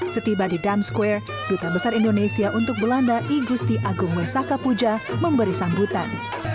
setiba di dam square duta besar indonesia untuk belanda igusti agung wesaka puja memberi sambutan